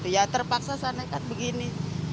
ya terpaksa sana kan begini